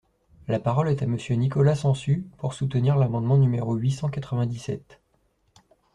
La parole est à Monsieur Nicolas Sansu, pour soutenir l’amendement numéro huit cent quatre-vingt-dix-sept.